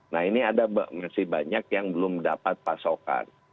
nah ini ada masih banyak yang belum dapat pasokan